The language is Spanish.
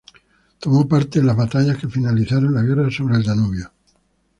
Tomó parte en las batallas que finalizaron la guerra sobre el Danubio.